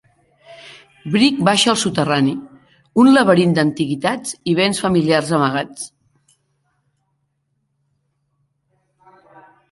Brick baixa al soterrani, un laberint d'antiguitats i bens familiars amagats.